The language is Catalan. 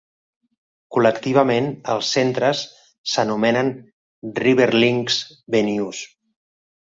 Col·lectivament els centres s'anomenen "Riverlinks Venues".